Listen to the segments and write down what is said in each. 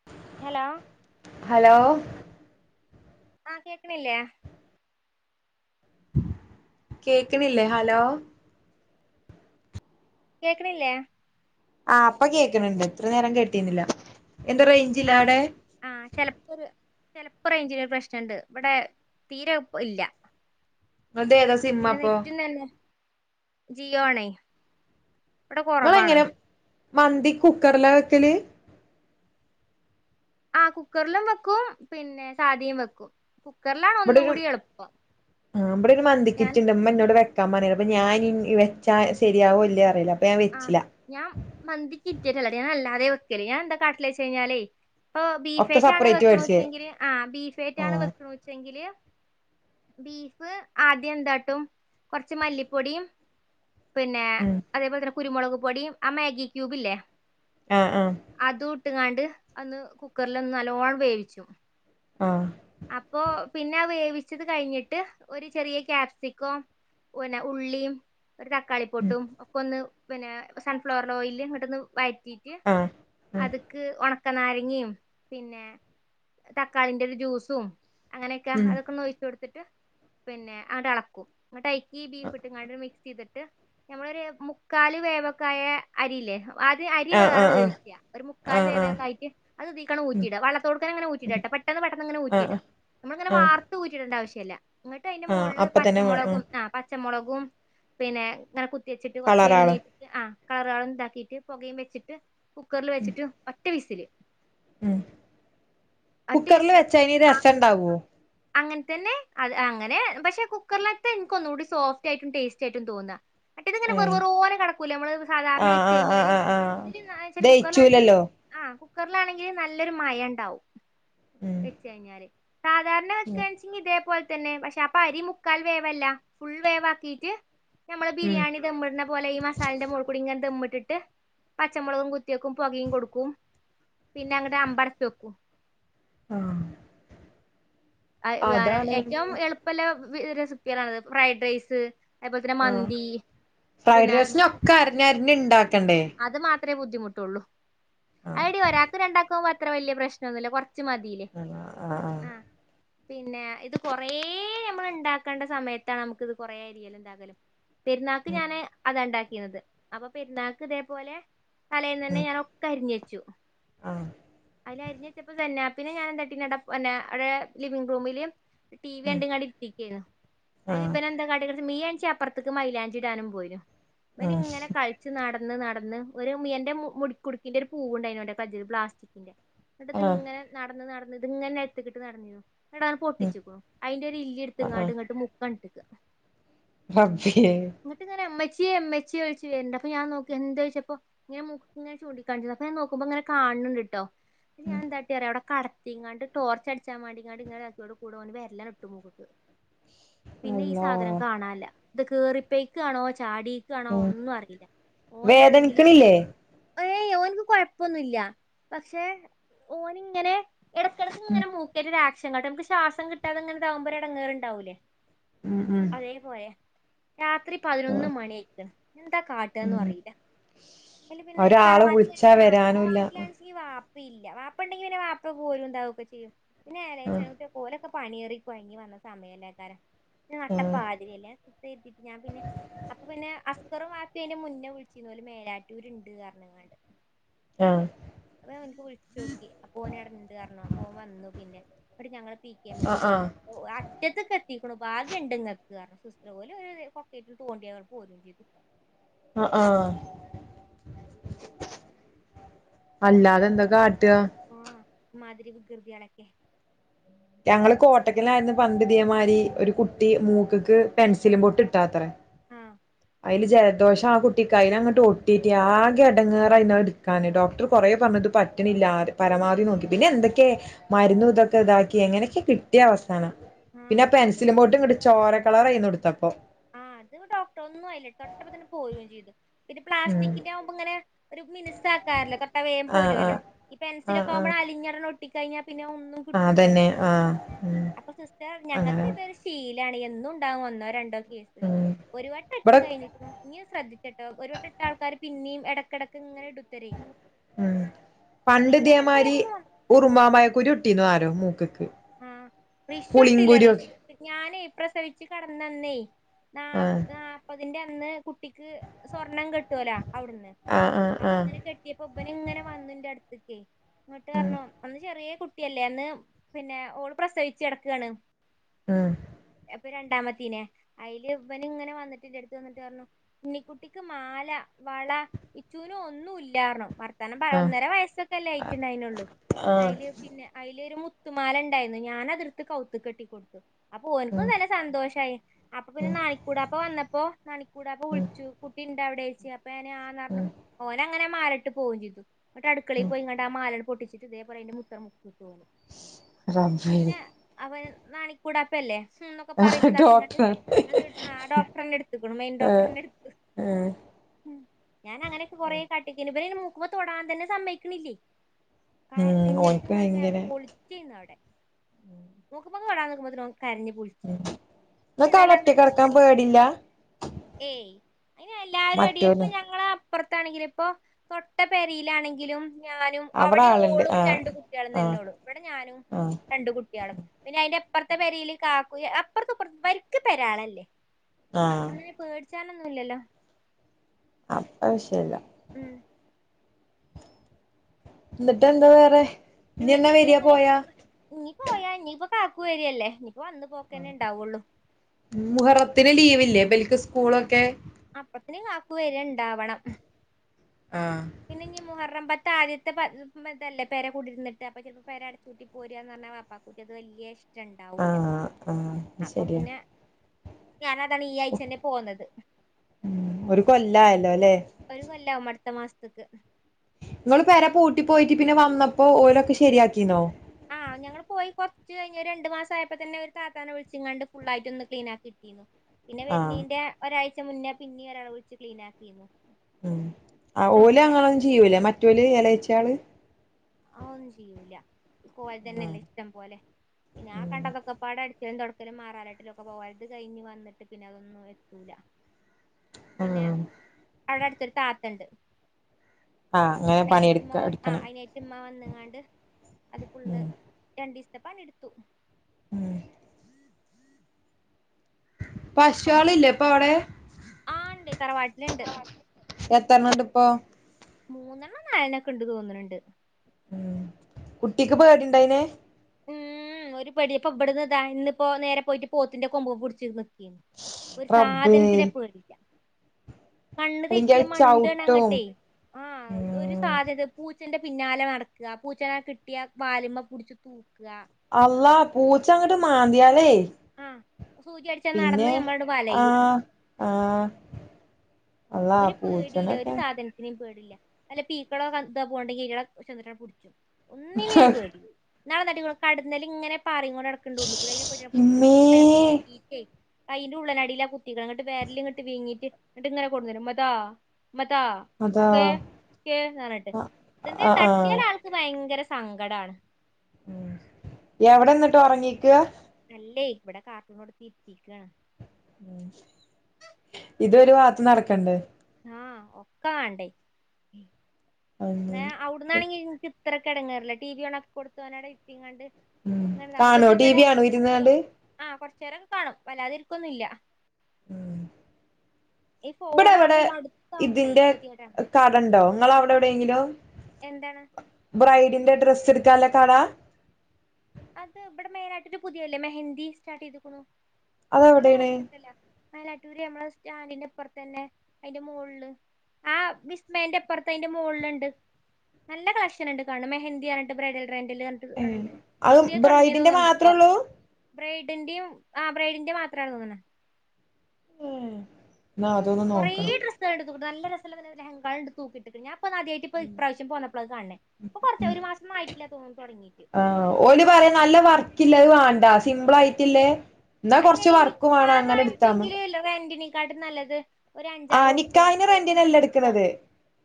[inaudible] Hello. Hello. ആഹ് കേൾക്ക്ണില്ലേ? കേക്ക്ണില്ലേ ഹലോ. കേക്ക്ണില്ലേ? ആ ഇപ്പൊ കേക്ക്ണ്ണ്ട് ഇത്ര നേരം കേട്ടീരുന്നില്ല എന്താ റേഞ്ച് ആഹ് ആഹ് ചെലപ്പൊര് ചെലപ്പോ റേഞ്ചിനൊര് പ്രശ്നണ്ട് ഇവിടെ തീരെ ഇല്ല. നിങ്ങളത് ഏതാ സിമ്മ പിന്നെ അപ്പൊ നെറ്റ്നന്നെ ജിയോ ആണേ. ഇവിടെ കുറവാണ് ഇങ്ങളെങ്ങനെ മന്തി കുക്കറ്ല വെക്കല്? ആ കുക്കർലും വെക്കും പിന്നെ സാദിയും വെക്കും. കുക്കർല ഇമ്പടെ ഒരു അ ഇമ്പടെരു ഞാൻ മന്തിക്കിറ്റ്ണ്ട് ഇമ്മ എന്നോട് വെ വെക്കൻ പറഞ്ഞ അപ്പ ഞാൻ വെച്ചാ ശരിയാവോ ഇല്ലേ അറിയില്ല അപ്പം ഞാൻ വെച്ചില. ഞാം മന്തി കിറ്റാട്ടല്ലട്ടോ ഞാൻ അല്ലാതെ വെക്കല് ഞാൻന്താ കാട്ടല് വെച്ചയ്ഞ്ഞാലേ ഒക്കെ ബീഫേറ്റ ആണ് സെപ്പറേറ്റ് വെക്ക്ണൂ മേടിച്ചേ വെച്ചെങ്കില് ആ ആ ബീഫേറ്റാണ് വെക്ക് ണൂ വെച്ചെങ്കില് ബീഫ് ആദ്യം എന്താട്ടും കൊർച്ച് മല്ലിപ്പൊടിയും പിന്നെ ഉം. അതേപോലെ തന്നെ കുരുമുളക് പൊടിയും ആ മേഗി ക്യൂബ് ഇല്ലേ ആഹ് ആഹ്. അതും ഇട്ട്കാണ്ട് അന്ന് കുക്കർ ലൊന്ന് നല്ലോണ്ണം വേവിച്ചും. ആഹ്. അപ്പോ പിന്നെ വേവിച്ചത് കഴിഞ്ഞിട്ട് ഒരു ചെറിയ ക്യാപ്സിക്കോം പിന്നെ ഉള്ളിയും ഒരു തക്കാളിം. ഉം ഫുഡും ഒക്കെ ഒന്ന് പിന്നെ സൺഫ്ലവർ ഓയില്ല് ഇങ്ങട്ട്ന്ന് വ ഴറ്റിട്ട് ആ ഉം അത്ക്ക് ഒണ ക്കനാരങ്ങിം പിന്നെ തക്കാളിന്റെ ഒരു ജ്യൂസും അങ്ങനെയൊക്കെ ഉം അതൊക്കെ ഒഴിച്ചു കൊട്ത്തിട്ട് പിന്നെ ആട്ടെ ളക്കും എന്നിട്ടഴിക്കീ ബീഫ് ഇട്ട്ങ്ങാണ്ട് മിക് ചെയ്തിട്ട് ഞമ്മളൊര് മുക്കാല് വേവക്കായ അരില്ലേ അത് അരി ആ ആ വേറെ ആ വേവിക്ക. ഒരു ആ മുക്കാൽ ആ വേവേക്കായിട്ട് അത് ഇതീകാട് ഉം ഊറ്റിട വളളത്തോട്ക്കാ ങ്ങനെ ഉം ഊറ്റിടാട്ടാ പെട്ടന്ന് പെട്ടന്ന് അങ്ങനെ ഊറ്റി ആ ഊറ്റിട ആ നമ്മളിങ്ങനെ ആ വാർത്ത് ഊറ്റിടേണ്ട ആവശ്യല്ല. ഇങ്ങട്ട് അയ്ന്റെ ആ മോള്ള് അപ്പ തന്നെ പച്ചമുളകും ആ പച്ച പച്ചമൊളകും പിന്നെ ഇങ്ങനെ കുത്തി വെച്ചിട്ട് കൊറച്ച് എണ്ണി കളറാള് ആ കളാറാളും ഇതാക്കിട്ട് പൊകിം വെച്ചിട്ട് കുക്കറിൽ വെച്ചിട്ട് ഒറ്റ വിസില്. ഉം കുക്കറില് വെച്ച ആയ്ന് രസം ഇണ്ടാവോ? അങ്ങൻ തന്നെ അത് അങ്ങനെ പക്ഷെ കുക്കർലെച്ച ഇൻക്ക് ഒന്നുകൂടി സോഫ്റ്റ് ആയിട്ടും ടേസ്റ്റ് ആയിട്ടും തോന്നാ. മറ്റേതിങ്ങനെ ഏഹ് വെറുവെറോനെ കെടക്കൂലെ ഞമ്മള് സാധാരണ ആഹ് വെച്ച് ആഹ് ആഹ് കഴിഞ്ഞാല് ആഹ് ആഹ് ഇതില് ആണെനെച്ചാല് കുക്കാറിലാണെച്ചെ ദയിച്ചൂലല്ലോ ആ കുക്കറിലാണെങ്കിൽ നല്ലൊരു മയം ഇണ്ടാവും. ഉം വെച്ച് കഴിഞ്ഞാല് സാധാരണ ഉം വെക്കാണ്ച്ച ഇതേപോൽ തന്നെ പക്ഷെ അരി മുക്കാൽ വേവല്ല. ഫുൾ വേവ് ആക്കിറ്റ് ഞമ്മള് ഉം ബിരിയാണി ദംമ്മ്ട്നെ പോലെ ഈ മസാലന്റെ മോള്കൂടി ഇങ്ങെനെ ദംമ്മ്ട്ട്ട്ട് പച്ചമൊളകും കുത്തി വെക്കും. പൊകിം കൊടുക്കും പിന്നെ അങ്ങട്ട് അമ്പടച്ചെക്കും. ആഹ് അതാണ് ഏറ്റവും എളുപ്പല്ല റെസിപ്പികളാണിത് ഫ്രൈഡ് റൈസ്. അതേപോൽ തന്നെ മന്തി പിന്നെ അരഞ്ഞ് അരഞ്ഞ് ഇണ്ടാക്കണ്ടേ. അത് മാത്രേ ബുദ്ധിമുട്ടുള്ളൂ ആഹ് ഐടി ഒരാ ഒരാക്കോ രണ്ടാക്കോ അത്ര വല്യ പ്രശനൊന്നുല്ല കൊറച്ച് മതീലെ. ആ ആഹ് ആഹ് ആ പിന്നെ ഇത് കൊറേ അമ്മള് ഇണ്ടാക്കണ്ട സമയത്താണ് അമ്മക്ക് ഇത് കൊറേ അരിയല്. എന്താകലും. പെര്ന്നാക്ക് ഉം ഞാന് അതാ ഇണ്ടാക്കിന്നത് അപ്പൊ പെരുന്നാക്ക് ഇതേപോലെ തലെന്നന്നെ ഉം ഞാൻ ഒ ക്കരിഞ്ഞെച്ചു ആഹ് അയില് അരിഞ്ഞ് വെച്ചപ്പോ സന്നാ പ്പിനെ ഞാൻ എന്താട്ടിന്നട പിന്നെ അവിടെ ലിവിംഗ് റൂമില്. ടി വി ഉം ആഹ് ഉം ണ്ട്ങ്ങാണ്ട് ഇര്ത്തിക്കെനു അതില് ഇവനന്താ കാട്ടികണ് മിയെ ന്ച്ചി അപ്പറത്ത്ക്ക് മൈലാഞ്ചി ഇടാനും പോയിനു ഇവനിങ്ങനെ കളിച്ചു നട നടന്ന് നടന്ന് ഒരു മിയ മുടിക്കുടുക്കിന്റെ ഒരു പൂവ്ണ്ടായിരുന്നു ഓന്റെ കജില് പ്ലാസ്റ്റിക്കിന്റെ ഇന്നട്ട് ഇത് ആഹ് ഇങ്ങനെ നടന്ന് നടന്ന് ഇത് ഇങ്ങനെ നെൽത്തിക്ക്ട്ട് നടന്നീനു. ഇടന്ന് ഉം പൊട്ടിച്ചിക്കു അതിന്റെ ഒരു ആഹ് ഇല്ലിടുത്ത്ങ്ങാണ്ട് ഇങ്ങട്ട് മുക്കണ്ടിട്ട്ക്ക പ്പജിയെ. ഇന്നട്ട്ങ്ങനെ ഇമ്മച്ചിയെ ഇമ്മച്ചിയെ വിളിച്ച് വെര്ന്ണ്ട് അപ്പ ഞാൻ നോക്കി എന്തെ ചോയ്ച്ചപ്പോ ഇങ്ങനെ മൂക്ക് ഇങ്ങനെ ചൂണ്ടിക്കാണിച്ച് അപ്പൊ ഞാന് നോക്കുമ്പോ ഇങ്ങന കാണ്ൻണ്ട്ട്ടോ. ഞാൻ എന്താട്ടി അറിയോ അവിടെ കട ട്ടിങ്ങാണ്ട് ടോർ അടിച്ചൻവാണ്ടിങ്ങാണ്ട് ഇങ്ങനെ ആക്കിയോട് കൂടെ ഓന് വെര്ല്ലണ് ഇട്ടുമൂക് ക്ക് പിന്നെ ഈ അള്ളാ സാധനം കാണൻല്ല. ഇത് കേറി പെയ്ക്ക ആണോ ചാടി ക്കാണോ ഉം ഒന്നും അറീല ഓനാണെങ്കില് വേദനിക്കണില്ലേ ഏയ് ഓൻക്ക് കൊഴപ്പൊന്നുല്ല, പക്ഷെ ഓന് ഇങ്ങനെ എടക്കെടക്ക് ഉം ഇങ്ങനെ മൂക്കേറ്റ് ഒരാക്ഷൻ കാട്ട അമക്ക് ശ്വാസം കിട്ടാതെ ഇങ്ങനെ അതാവുമ്പോ ഒരെ എടങ്ങൊറ്ണ്ടാവൂലേ. ഉം ഉം അതേപോലെ രാത്രി പതിനൊന്ന് മണിയായിക്ക്ണ് എന്താ കാ റ്റാന്നും ഉം അറീല അല്ലെ പിന്നെ ഒരാള് തറവാട്ടിലെ വിളിച്ചാ ആ വരാനുല്ല തറവാട്ടിലാ ഈ വാപ്പില്ല വാപ്പ ഇണ്ടെങ്കി പിന്നെ വാപ്പ പോരു ഇണ്ടാവൊക്കെ ചെയ്യും പിന്നെ ഏളേ ആഹ് പോലൊക്കെ പണിയേറികൊഴങ്ങി വന്ന സമയമല്ലേക്കാരം ആഹ് നട്ടപ്പാതിരല്ലേ [unintelligible] ഞാൻ പിന്നെ അപ്പൊ പിന്നെ അസ്കറും വാപ്പി അയിന്റെ മുന്നേ വുളിച്ചീന്നു ഓല് മേലാറ്റൂരുണ്ട് പറഞ്ങ്ങാണ്ട് ആഹ് അപ്പഞാ ഓൻക്ക് വിൾച്ചോക്കി അപ്പൊ ഓന്എറങ്ണ്ടർഞ്ഞു അപ്പൊൻ വന്നു പിന്നെ ഇന്നട്ട് ഞങ്ങളെ പിസി എമ്മ് ആഹ് കൊണ്ടേയി ആഹ് അറ്റത്ത് കെത്തീക്ക്ണ് ഭാഗ്യം ഇണ്ട് ഇങ്ങക്ക് സിസ്റ്റർ ഓല് ഒരു കൊക്കേറ്റ് തോണ്ടി അപ്പൊ പോ ലുങ്കിയെത് ആ ആഹ് അല്ലാതെന്ത കാട്ട് ആ ആ ഇമ്മാതിരി വികൃതിയാളെക്കെ ഞങ്ങള് കോട്ടക്കലായിരുന്ന് പണ്ട് ഇതേമാരി ഒരു കുട്ടി മൂക്ക്ക്ക് പെൻസിലും പൊട്ട് ഇട്ടതത്രേ ആഹ് അയില് ജലദോഷ ആ കുട്ടിക്ക് അയ്ല അങ്ങട്ട് ഒട്ടീട്ട് ആകെ എടങ്ങാറായിണ് അത്ട്ക്കാൻ ഡോക്ടർ കുറേ പറഞ്ഞു ഇത് പറ്റ് റ്റ്ണില്ല പരമാവധി നോക്കി പിന്നെ എന്തക്കേ മരുന്നു ഇതൊക്കെ ഇതാക്കി എങ്ങനെക്കെ കിട്ടിയ അവസാനം ആഹ് പിന്നെ ആ അത് പെൻസിലും പോട്ട് ഇങ്ങട്ട് ചോര കളറായ്ന്നു ഇട്ത്തപ്പോ ആഹ് അത് ഡോക്ടർ ഒന്നുംയില്ല തൊട്ടപ്പ തന്നെ പോവുകയും ചെയ്തു പിന്നെ ഉം പ്ലാസ്റ്റിക്കിന്റെ ആവുമ്പോ ഇങ്ങനെ ഒരു മിനുസാക്കാറല്ലോ തൊട്ട ആഹ് വേമ്പോരുമല്ലോ ആഹ് ഈ പെൻസിലക്കെ ആഹ് ആവുമ്പോ അലഞ്ഞിണ് ഒട്ടിക്കഴിഞ്ഞൽ പിന്നെ ഒന്നും ആഹ് അതന്നെ കിട്ടൂല്ലല്ലോ ആഹ് ഉം അപ്പോ സിസ്റ്ററർഞ്ഞു അങ്ങനെ ഞങ്ങക്കിത് ശീലാണ് എന്നും ഉണ്ടാവും ഒന്നോ രണ്ടോ കേസ് ഉം ഒരുവട്ടട്ട് ഇബടെ കഴിഞ്ഞാ ഇനിയും ശ്രദ്ധിച്ചട്ടോ ഒരുവട്ട ഇട്ട ആൾക്കാര് പിന്നെയും ഇടക്കിടക്ക് ങ്ങനെ ഇടു ഉം പിന്നെ പണ്ട്തേ അങ്ങനത്തെ മാരി കേസൊന്നും വന്നു ഉറുമാമ്പയ കുരു ഇട്ടിനി ആരോ മൂക്ക് ക്ക് ആഹ റിഷു ഇട്ടില്ല റിഷു ഞാനേ പ്രസവിച്ചു കടന്നന്നേ നാ ആഹ് നാല്പ്പതിന്റെ അന്ന് കുട്ടിക്ക് സ്വർണം കെട്ടുവലോ അവിടുന്ന് ആഹ് അപ്പൊ ആഹ് അങ്ങനെ കെട്ടിയപ്പോ ഉബന ഇങ്ങനെ വന്നിന്റെ അടുത്ത്ക്കയ്നി ന്നട്ട് ആഹ് പറഞ്ഞു അന്ന് ചെറിയ കുട്ടി കുട്ടിയല്ലേന്ന് പിന്നെ ഓള് പ്രസവിച്ചു കിടക്കാണ് ആഹ് അപ്പൊ രണ്ടാമത്തീനെ അതില് ഇവന് ഇങ്ങനെ വന്നിട്ടിന്റെ അടുത്ത് വന്നിട്ട് പറഞ്ഞു ഇണ്ണിക്ക കുട്ടിക്ക് മാല വള ച്ചുനും ഒന്നും ഇല്ലായില്ല്യർഞ്ഞു വർ അവസാനം പാ ഉം ഒന്നര വയസ്സൊക്കെല്ലേ ആഹ് ആയിറ്റ്ഉണ്ടായിട്ടുള്ളൂ ആഹ് അതിൽ പിന്നെ അതിലൊരു മു ത്തുമാല ഉണ്ടായിരുന്നു ഞാൻ അതിട്ത്ത് കൗത്ത് കെട്ടി കൊടുത്തു അപ്പോനിക്കും ഉം നല്ല സന്തോഷമായി അപ്പൊ പിന്നെ ഉം നാണിക്കൂടാപ്പൊ വന്നപ്പോ നാണിക്കൂടാപ്പൊ ഉം വിളിച്ചു കുട്ടി എവിടെച്ച അപ്പൊ ഞാൻ ആ പറഞ്ഞു ഉം ഓന ങ്ങനെ മാലട്ട് പോകയും ചെയ്തു ഇങ്ങട്ട് അടുക്കളയി ഉം പോയി ങ്ങട്ട ആ മാല പൊട്ടിചിട്ട് ഇതപോലെഅയ്ന്റെ മുത്ത് മൂക്ക്ക്ക്ട്ട് ഓൻ അത് റബ്ബേ പിന്നെ അവൻ നാണിക്കൂടാ അപ്പ അല്ലേ ഹുംന്നൊക്കെ പറയിച്ചതാക്കി ങ്ങാട്ട് ഡോക്ടറാണ് അത് ഡോക്ടറെന്നെ എടുത്തക്കണു മെയിൻ ഡോക്ടറേ എടുക്ക ഏ ഉ് ഞാന അങ്ങനൊക്കെ കൊറെേ കാട്ടിക്കിനി ഇവന്യ്ൻ മൂക്കുമ്പോ തൊടാൻ തന്നെ സമ്മക്കണില്ലേ ഉം ഓൻക്ക് കരഞ്ഞിട്ടു ങ്ങനെ ഭയങ്കര പൊളി അവിടെ മുക്കുമമക്ക് തൊടാൻവരുമ്പോത്തിന് ഓൻ കരഞ്ഞ് പുടി ങ്ങക്ക് ആടെ ഒറ്റ ക്ക് കടക്കാൻ പേടില്ല ഏയ് അയ്ൻ എല്ലാരും അടി ഇപ്പൊ മറ്റോല് ഞങ്ങള പുറത്താണെങ്കിലും ഇപ്പൊ തൊട്ടപ്പരയിലാണെങ്കിലും ഞാനും അവടെ അവിടെ ആള്ണ്ട് ഓളും ആഹ് രണ്ട കുട്ടികളും ആഹ് തന്നെോള്ളു ഇവിടെ ഞാനും ആഹ് രണ്ട കുട്ടികളും പിന്നെ അതിന്റെ അപ്പുറത്തെ പരൽ കാക്കു അപ്പറത്തെപ്പറ പക്ക് പെരാളല്ലേ ആഹ് പേടിച്ചാനൊന്നുമല്ലല്ലോ അപ്പ വിഷയല്ല ഉം എന്നിട്ട് എന്താ വേറെ എന്നിട്ട് എന്നാ ഇനി വരിയാ അങ്ങനെ പോയാ നീ പോയാ ഇനിയിപ്പ കാക്ക വരികയല്ലേ ഇനിയിപ്പോ വന്ന് പോക്കനെ ഉണ്ടാവൊള്ളൂ മുഹറത്തിന് ലീവില്ലേ ഇവർക്ക് സ്കൂളൊക്കെ അപ്പത്തിന് കാക്കു വരാ ണ്ടാവണം ആ ഇന്ന് ഇഞ്ഞി മുഹറമ്പത്ത് ആദ്യത്തെ പ ഇതല്ലേ പരെ കൂടിയിരുന്നട്ട് അപ്പൊ ചിലപ്പോ പേര അടുച്ചൂ ക്കിപോരാന്ന് പറഞ്ഞാ വാപ്പാക്കൊക്കെ അത് വല്യെ ഇഷ് ഉണ്ടാവൂല്ല ആഹ് ആഹ് അപ്പൊ ശരിയാ പിന്നെ ഞാൻ അതാണ് ഈ ആഴ്ച തന്നെ പോന്നത്. ഒരു കൊല്ലായാലോ അല്ലെ ഒരു കൊല്ലാവും അടുത്ത് മാസത്തക്ക് നിങ്ങൾ പെര പൂട്ടി പോയിട്ട് പിന്നെ വന്നപ്പോ ഓരൊക്കെ ശരിയാക്കിന്നോ ആ ഞങ്ങൾ പോയി കുറച്ച് കഴിഞ്ഞ ഒരു രണ്ടു മാസം ആയപ്പോ തന്നെ ഒരു താത്താനെ വിളിച്ചിങ്ങാണ്ട് ഫുൾ ആയിട്ട് ഒന്നു ക്ളീൻ ആക്കി പിന്നെ ആഹ് വിരുന്നിന്റെ ഒരാഴ്ച മുന്നേ പിന്നേ ഒരാൾ വിളിച്ച് ക്ലീൻ ആക്കി നു ഉം ഓൽ അങ്ങൊന്നും ചെയ്യൂല്ല മറ്റോൾ എളയച്ചാള് ആ ഒന്നും ചെയ്യൂല്ല ഓൽക്ക് ഓൽ ആഹ് തന്നെല്ലേ ഇഷ്ടം പോലെ പിന്നെ ആ ഉം കണ്ടതൊക്കെ പാടേ ക്കലും തുടക്കലും മാറാലട്ടലും ഒക്കെ പോൽത് കഴിഞ് വന്നിട്ട് പിന്നെ അതൊന്നും എത്തൂല പിന്നെ ആഹ് അവിടെ അടുത്ത് ഒരു താത്തണ്ട് ആ അങ്ങനെ അയിനായിട്ട് ഇമ്മ പണിയെടുക്ക ആ എടുക്കണം അയിനായിട്ട് ഇമ്മ വന്നങ്ങാണ്ട് അത് ഫുള്ള ഉം രണ്ട് ദിവസത്തെ പണി എടുത്തു ഉം പശു ഒക്കെ ആളില്ലേ ഇപ്പൊ അവിടെ ആ ഇണ്ട് തറവാട്ടില്ണ്ട് എത്രണ്ണം ഉണ്ട് ഇപ്പോ മൂന്നെണ്ണം നാലെണും ഒക്കെയുണ്ട് എന്ന് തോന്നുന്നുണ്ട് ഉം കുട്ടിക്ക് പേടി ഉണ്ടായിനെ ഉം ഒരു പേടിപ്പോ ഇവിടന്ന് താ ഇന്ന് ഇപ്പോ നേരെ പോയിട്ട് പോത്തിന്റെ കൊമ്പുമേ പിടിച്ചിര്ന്ന് ഒരു റബ്ബേ സാധനത്തിനെ പേടിയില്ല അല്ലെങ്കിൽ അയ് ചവിട്ടും ആഹ് ഒരു ഉം സാധ്യത പൂച്ചന്റെ പിന്നാലെ നടക്കുക പൂച്ചനേ കിട്ടിയ വാലിമേ പിടിച്ചു തൂക അള്ളാ പൂച്ചങ്ങോട്ട് മാന്തിയാലേ ആഹ് സൂചി അടിച്ചാ പിന്നെ നടന്ന് നമ്മളാണ്ട് വലയും ആഹ് ആഹ് അള്ളാ പൂച്ചനൊക്കെ ഒന്നിനിം പേടില്ല വല്ല പീക്കളൊ കൽ ഇതോ പോക്ണ്ടെങ്കി അയിറ്റകളെ ചെന്ന്ട്ടാണ് പുട്ച്ചും ഒന്നിനെയും ഒരു പേടി ഇന്നാള് ഇങ്ങനെ കടന്നൽ ഇങ്ങനെ പാറികൊണ്ട് നട ഉള്ളുക്കൂടെ അയിനെ പോയി ഞാൻ ഇമ്മേ പുടിച്ച്ക്ക്ണ് [inaudible] ക്ക് കൈയിൻ്റെ ഉള്ളനടിയിലാ കുത്തിക്കാ അങ്ങട്ട് വിരൽ ഇങ്ങോട്ട് വീങ്ങീട്ട് ഇങ്ങട്ട് ഇങ്ങനെ കൊണ്ടുവരുമ്പോ ഉമ്മതാ ഉമ്മതാ അതാ ദേ കെ പറഞ്ഞിട്ട് എന്തോയ് ആഹ് ആഹ് തട്ടിയൽ ആൾക്ക് ഭയങ്കരം സങ്കടാണ്. എവിടെ ഇന്നിട്ടോ ഉറങ്ങീക്കാ അല്ലേ ഇവിടെ കാർട്ടൂൺ കൊടുത്തിതിരുത്തിരിക്കാണ്. ഇതൊരു ഭാഗത്ത് നടക്കണ്ടെ ആ ഒക്ക വേണ്ടേ ന്നാ [unintelligible] അങ്ങനെ ഇന്നാണെങ്കിൽ എനിക്ക് ഇത്രയ്ക്ക് എടങ്ങാറില്ല ടിവി ഓണക്കി കൊടുത്തുനാണ്ട് ഇരുത്തിങ്ങാണ്ട് ഉം [unintelligible] അവരിവിടെ കാണോ ഇത് ടി ഇവിടെ വി ആണോ കുട്ടിയ ഇരുന്നാണ്ട് ആ കുറച്ചു നേരം കാണും വല്ലാതിരിക്കൊന്നുമില്ല [inaudible] ഈ ഇവിടെ ഫോൺ ആവുമ്പോ ഈ അടുത്ത് ആവുമ്പോളേ കേതിടാണ് കടയുണ്ടോ ഇങ്ങളെ അവിടെ എവിടെയെങ്കിലും എന്താണ് ബ്രൈഡിന്റെ ഡ്രസ് എടുക്കാനുള്ള കട അത് ഇവിടെ മെയിൻ ആയിട്ട് പുതിയല്ലേ മെഹന്ദി സ്റ്റാർട്ട് ചെയ്ക്കണു നല്ല അതെവിടെയാണ് കളക്ഷനിണ്ടല്ല മേലാറ്റൂര് നമ്മളെ സ്റ്റാൻഡിന്റെ അപ്പുറത്ത് തന്നെ അതിന്റെ മോളില് ആ വിസ്മയന്റെ ഇപ്പുറത്ത് അതിന്റെ മോളിലുണ്ട് നല്ല കളക്ഷൻ ഉണ്ട് കാണും മെഹന്തിന് പറഞ്ഞിട്ട് ബ്രൈഡൽ ഗ്രാൻഡൽ ഏ പറഞ്ഞിട്ട് അത് പുതിയ തുടങ്ങിയ ബ്രൈഡിന്റെ തോന്നുന്നുണ്ട് ഇപ്പോ മാത്രള്ളൂ ബ്രൈഡിന്റെയും ആ ബ്രൈഡിന്റെ മാത്രമാണ് തോന്നണ് ഇന്നാ അതൊന്ന് കുറെേ നോക്കണം ഡ്രസ് ആള് നല്ല രസള്ള ലഹങ്കാള് ഇണ്ട് തൂക്കിട്ടിക്കണ് ഞാൻ ഇപ്പന്നാദ്യായിട്ട് ഇപ്പ ഇപ്രാവശ്യം പോന്നപ്പോ അത് കണണേ ഇപ്പ കൊറച്ച് ഒരു മാസൊന്നായിട്ടല്ല തോന്നി തുടങ്ങീട്ട് ആ ഓല് പറയാ നല്ല വർക്കില്ലത് വേണ്ടാ സിമ്പിൾ ആയിട്ടില്ലേയ് ഇന്നാ കുറച്ച് വർക്ക് വേണം അങ്ങനെ എടുത്താമതി ട്രെൻ്റിനേ കാട്ടിൻ നല്ലത് ഒരു ആ അഞ്ചാറ് നിക്കാഹിന് ഉറുപ്പ്യക്ക് ഒന്ന് റെൻ്റിനല്ല ഇട്ക്കാണ് എടുക്കുന്നത്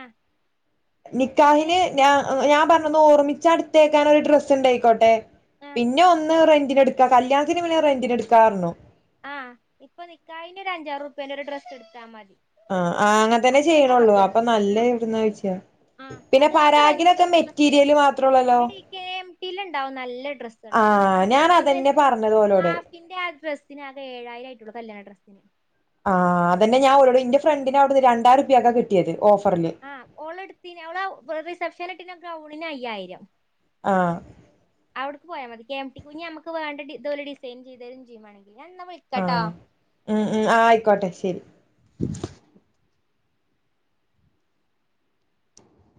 ആഹ് പിന്നെ നിക്കാഹിന് ഞാ ഞാൻ പറഞ്ഞന്ന് ഓർമിച്ച എടുത്തേക്കാനൻ ഒരു ഡ്രസ്സ് ഉണ്ടായിക്കോട്ടെ ആഹ് പിന്നെ ഒന്ന് റെന്റിന് എടുക്കാ കല്യാണത്തിന് പിന്നെ റെന്റിന് എടുക്കാന്ന് പറഞ്ഞു ആ ഇപ്പൊ നിക്കാഹിന് ഒരു അഞ്ചാറ് രൂപ്യേൻ്റെ ഒരു ഡ്രസ്സ് എടുത്താ മതി ആ അങ്ങനെ തന്നെ അത്രൊക്കെ ചെയ്യണള്ളൂ അപ്പൊ നല്ല എവിടന്ന ചോയിച്ചാ ആ അത് ആ ഫ്രണ്ട്ല് ഡ്രസ്സ് മാത്രള്ളല്ലോ എടീ കെ എം റ്റില് ഇണ്ടാവും നല്ല ഡ്രസ്സ് ആ നല്ല ഞാൻ ഹാഫിന്റെ അതന്നെ പറഞ്ഞത് ഓലോട് റാഫിൻ്റെ ആ ഡ്രസ്സിനാകെ ഏഴായിരം ആയിട്ടുള്ളൂ കല്യാണ ഡ്രസ്സിന് ആ അതനെ ഞാൻ ഓനോട് എന്റെ ഫ്രണ്ടിന് അവിടുന്ന് രണ്ടായിരം രൂപയ്ക്കാ കിട്ടിയത് ഓഫറില് ആ ഓള് എടുത്തിരുന്നു അവളാ റിസെപ്ഷൻ ഇട്ടിരുന്ന ഗൗണിന് അയ്യായിരം ആഹ് അവിടുക്ക് പോയാൽ മതി കെ എം ടി ക്ക് ഇനി നമക്ക് വേണ്ട ഇത് ഓല് ഡിസൈൻ ചെയ്‌തെരും വേണെങ്കി ഞാൻ ഇന്നാ വിളി- ആഹ് ഉം ഉം ആയിക്കോട്ടെ ശരി